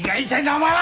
お前は！